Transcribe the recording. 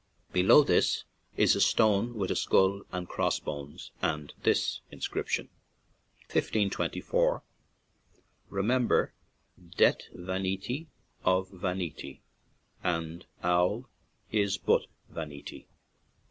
Below this is a stone with a skull and cross bones, and this inscription: " 1524 Remember Deathe Vaniti of Vaniti and al is but Vaniti."